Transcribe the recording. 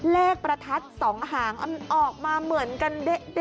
เลขประทัดสองหางออกมาเหมือนกัน